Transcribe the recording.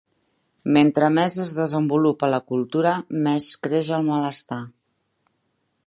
Mentre més es desenvolupa la cultura, més creix el malestar.